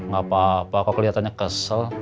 gak apa apa kok kelihatannya kesel